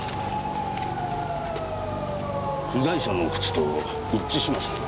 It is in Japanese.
被害者の靴と一致しました。